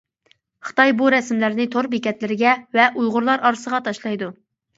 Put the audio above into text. خىتاي بۇ رەسىملەرنى تور بېكەتلىرىگە ۋە ئۇيغۇرلار ئارىسىغا تاشلايدۇ.